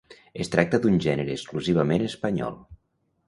Es tracta d'un gènere exclusivament espanyol.